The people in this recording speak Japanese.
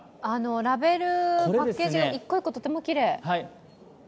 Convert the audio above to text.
ラベル、パッケージが１個１個、とてもきれい。